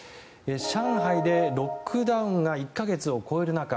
上海でロックダウンが１か月を超える中